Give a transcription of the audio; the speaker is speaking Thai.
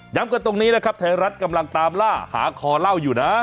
กันตรงนี้นะครับไทยรัฐกำลังตามล่าหาคอเล่าอยู่นะ